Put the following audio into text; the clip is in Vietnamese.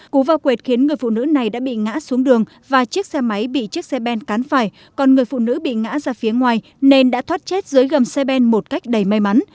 cú vào quệt khiến người phụ nữ này đã bị ngã xuống đường và chiếc xe máy bị chiếc xe ben cán phải còn người phụ nữ bị ngã ra phía ngoài nên đã thoát chết dưới gầm xe ben một cách đầy may mắn